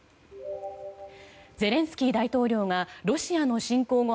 ゼレンスキー大統領がロシアの侵攻後